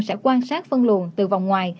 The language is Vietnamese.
sẽ quan sát phân luồn từ vòng ngoài